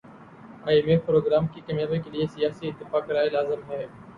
ائی M F programme کی کامیابی کیلئے سیاسی اتفاق رائے لازم ہے